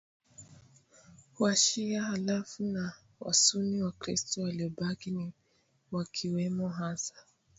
Washia halafu na Wasuni Wakristo waliobaki niwakiwemo hasa